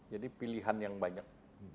jadi pilihan yang banyak